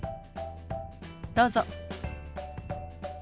どうぞ。